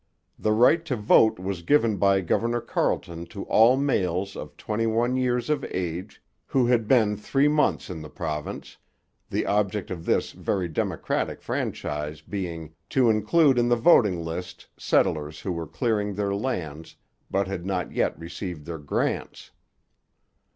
The right to vote was given by Governor Carleton to all males of twenty one years of age who had been three months in the province, the object of this very democratic franchise being to include in the voting list settlers who were clearing their lands, but had not yet received their grants.